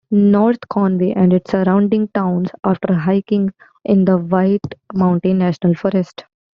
North Conway and its surrounding towns offer hiking in the White Mountain National Forest.